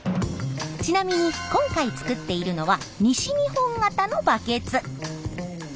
ちなみに今回作っているのは西日本型のバケツ。